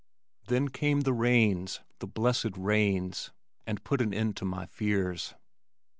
Then came the rains the blessed rains and put an end to my fears.